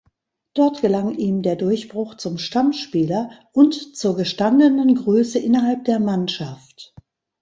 Dort gelang ihm der Durchbruch zum Stammspieler und zur gestandenen Größe innerhalb der Mannschaft.